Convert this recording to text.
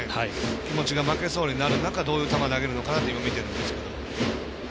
気持ちが負けそうになる中どういう球を投げるのか今、見てるんですけど。